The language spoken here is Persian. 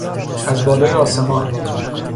از بالای آسمان